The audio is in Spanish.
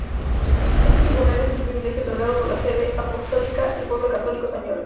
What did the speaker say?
Este tribunal es un privilegio otorgado por la Sede Apostólica al pueblo católico español.